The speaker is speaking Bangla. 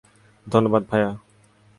ধন্যবাদ, ভায়া।